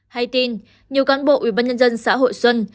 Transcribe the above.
hay tin nhiều cán bộ ubnd xã hội xuân